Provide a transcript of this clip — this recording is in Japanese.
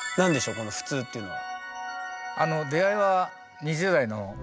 この「普通」っていうのは。